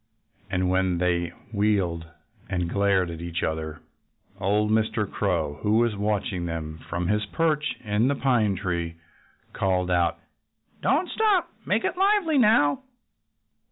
And when they wheeled and glared at each other old Mr. Crow, who was watching them from his perch in the pine tree, called out: "Don't stop! Make it lively, now!"